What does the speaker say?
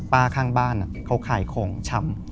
ข้างบ้านเขาขายของชำ